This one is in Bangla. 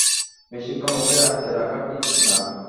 বেশিক্ষণ ওঁকে আটকে রাখা ঠিক না।